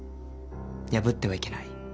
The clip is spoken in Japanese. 破ってはいけない。